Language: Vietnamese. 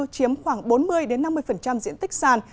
chiếm khoảng bốn mươi năm mươi diện tích sàn